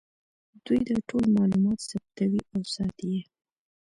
دوی دا ټول معلومات ثبتوي او ساتي یې